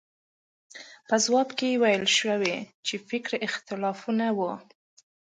په ځواب کې ویل شوي چې فکري اختلافونه وو.